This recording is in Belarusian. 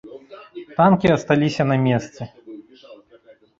Танкі асталіся на месцы.